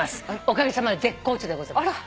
おかげさまで絶好調でございます。